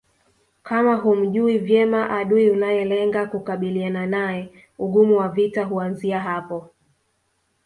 Kama humjui vyema adui unayelenga kukabiliana naye ugumu wa vita huanzia hapo